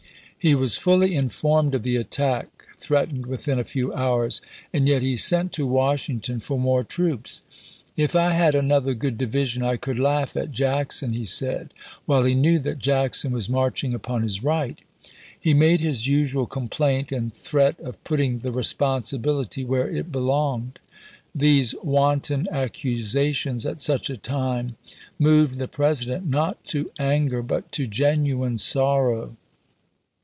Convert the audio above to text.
He was fully informed of the attack threatened within a few hours, and yet he sent to Washington for more troops. "If I had another good division I could laugh at Jackson," he said, while he knew that Jackson was marching upon his right. He made his usual complaint and threat of putting the responsibility where it belonged. These wanton ac cusations at such a time moved the President, not to anger, but to genuine sorrow.